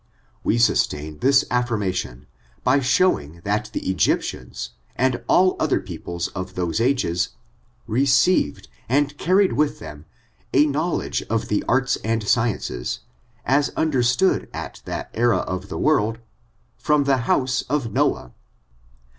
We sustain this afilrmation, by showing that the Egyptians, and all other people of those ages, received and carried with them a knowledge of the arts and sciences, as under stood at that era of the world, from the house of NOAB.